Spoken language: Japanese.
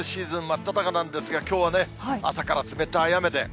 真っただ中なんですが、きょうはね、朝から冷たい雨で。